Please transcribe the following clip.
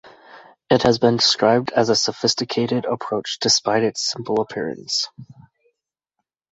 It has been described as a sophisticated approach despite its simple appearance.